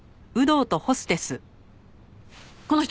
この人。